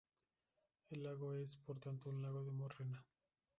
El lago es, por tanto, un lago de morrena.